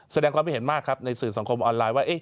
แสดงความคิดเห็นมากครับในสื่อสังคมออนไลน์ว่า